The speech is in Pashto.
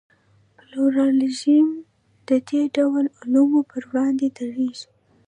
پلورالېزم د دې ډول اعلو پر وړاندې درېږي.